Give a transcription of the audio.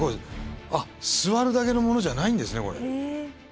あっ座るだけのものじゃないんですねこれ。